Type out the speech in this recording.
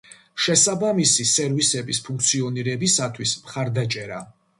შესაბამისი სერვისების ფუნქციონირებისათვის მხარდაჭერა.